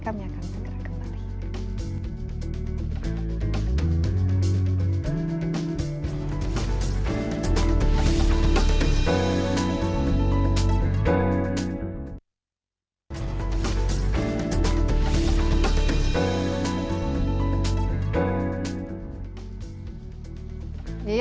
kami akan segera kembali